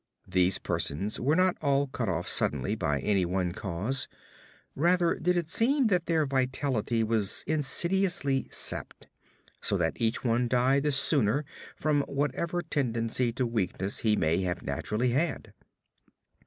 These persons were not all cut off suddenly by any one cause; rather did it seem that their vitality was insidiously sapped, so that each one died the sooner from whatever tendency to weakness he may have naturally had.